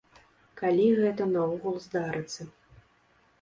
Калі гэта наогул здарыцца.